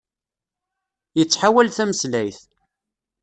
Yettḥawal tameslayt.